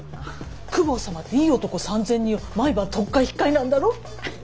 公方様っていい男３，０００人を毎晩取っ替え引っ替えなんだろ。